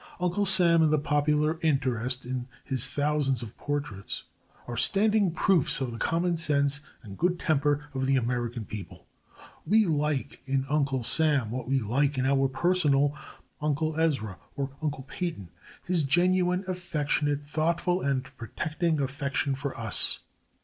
Uncle Sam and the popular interest in his thousands of portraits are standing proofs of the common sense and good temper of the American people. We like in Uncle Sam what we like in our personal Uncle Ezra, or Uncle Peyton, his genuine, affectionate, thoughtful and protecting affection for us.